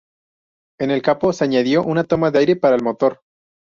En el capó se añadió una toma de aire para el motor.